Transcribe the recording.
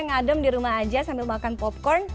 ngadem di rumah aja sambil makan popcorn